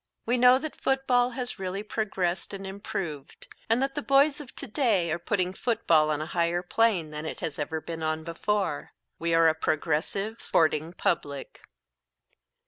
We know that football has really progressed and improved, and that the boys of to day are putting football on a higher plane than it has ever been on before. We are a progressive, sporting public.